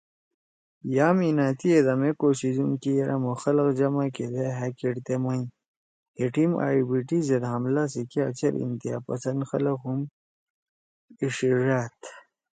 یام اینأتیِے دا مے کوشش ہُم کی یرأ مھو خلگ جمع کیدے ہأ کیِٹ تے مَئی۔ ہئے ٹیم ائی بی ٹی زید حملہ سی کیا چیر انتہا پسند خلگ ہُم ایِشیِژأد۔